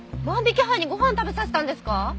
万引き犯にご飯食べさせたんですか？